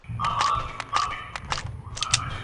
زیادہ سے زیادہ شیئر کریں تاکہ لوگوں میں شعور آجائے